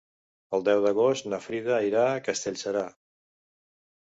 El deu d'agost na Frida irà a Castellserà.